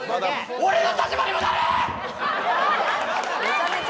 俺の立場にもなれぇ！